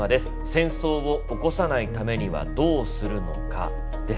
「戦争を起こさないためにはどうするのか？」です。